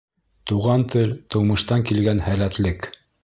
Туған тел — тыумыштан килгән һәләтлек.